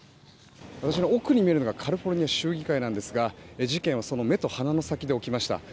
私の奥に見えるのがカリフォルニア州議会なんですが事件はその目と鼻の先で起きました。